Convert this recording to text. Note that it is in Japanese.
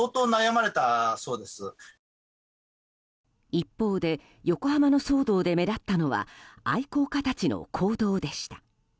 一方で横浜の騒動で目立ったのは愛好家たちの行動でした。